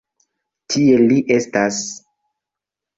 Tie li estas!